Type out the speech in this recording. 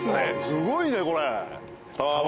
すごいねこれ。